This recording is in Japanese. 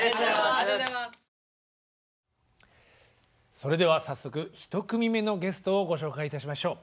それでは早速１組目のゲストをご紹介いたしましょう。